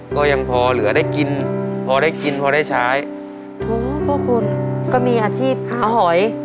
ก็ยังพอเหลือได้กินพอได้กินพอได้ใช้โถพ่อคุณก็มีอาชีพหาหอย